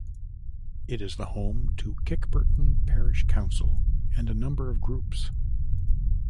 It is the home to Kirkburton Parish Council and a number of groups.